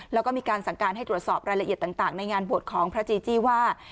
แล้วก็มีการสั่งการให้ตรวจสอบรายละเอียดต่างในงานบวชของพระจีจี้ว่า